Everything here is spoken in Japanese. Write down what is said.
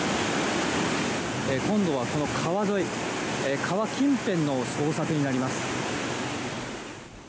今度は川沿い川近辺の捜索になります。